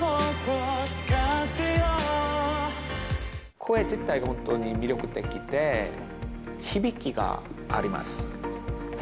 声自体が本当に魅力的で、響きがあります。